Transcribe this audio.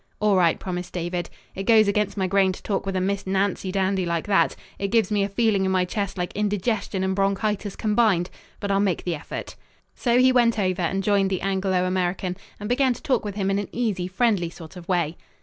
"All right," promised David. "It goes against my grain to talk with a Miss Nancy dandy like that. It gives me a feeling in my chest like indigestion and bronchitis combined but I'll make the effort." So he went over and joined the Anglo American, and began to talk with him in an easy, friendly sort of way.